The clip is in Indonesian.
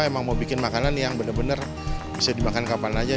emang mau bikin makanan yang benar benar bisa dimakan kapan aja